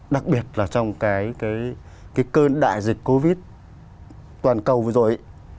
đặc biệt là trong cái cơn đại dịch covid toàn cầu vừa rồi